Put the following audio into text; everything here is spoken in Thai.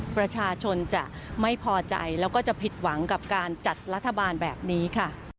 ประชาชนจะไม่พอใจแล้วก็จะผิดหวังกับการจัดรัฐบาลแบบนี้ค่ะ